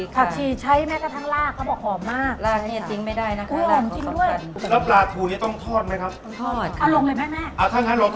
ทรัพย์ข้าวผักชี่ด้านข้างใช้ทั้งรากเขาบอกหอมมาก